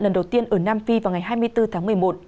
lần đầu tiên ở nam phi vào ngày hai mươi bốn tháng một mươi một